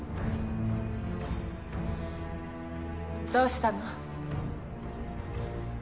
どうしたの？